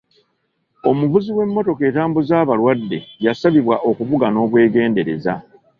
Omuvuzi w'emmotoka etambuza abalwadde yasabibwa okuvuga n'obwegendereza.